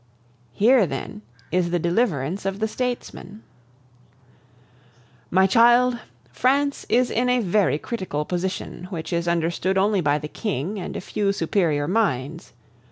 Here, then, is the deliverance of the statesman: "My child, France is in a very critical position, which is understood only by the King and a few superior minds.